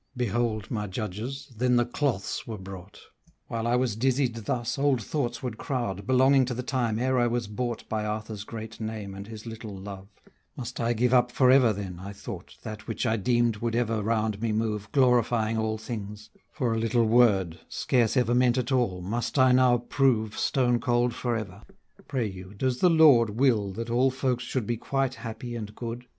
Behold my judges, then the cloths were brought; While I was dizzied thus, old thoughts would crowd, Belonging to the time ere I was bought By Arthur's great name and his little love; Must I give up for ever then, I thought, That which I deemed would ever round me move Glorifying all things; for a little word, Scarce ever meant at all, must I now prove Stone cold for ever? Pray you, does the Lord Will that all folks should be quite happy and good?